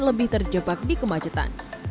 lebih terjebak di kemacetan